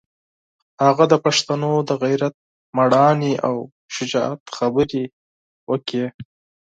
هغه د پښتنو د غیرت، مېړانې او شجاعت خبرې وکړې.